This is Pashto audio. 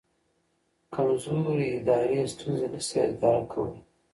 کمزوري ادارې ستونزې نه شي اداره کولی.